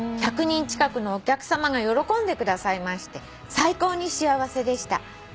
「１００人近くのお客さまが喜んでくださいまして最高に幸せでした」